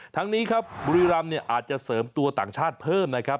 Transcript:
ทั้งนี้ครับบุรีรำเนี่ยอาจจะเสริมตัวต่างชาติเพิ่มนะครับ